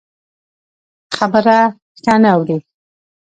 خبره ښه نه اوري.